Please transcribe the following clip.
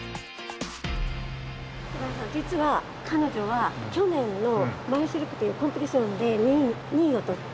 高田さん実は彼女は去年の「舞Ｃｉｒｃｕｓ」というコンペティションで２位を取って。